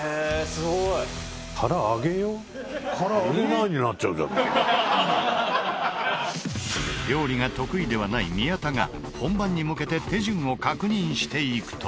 すごい！」料理が得意ではない宮田が本番に向けて手順を確認していくと。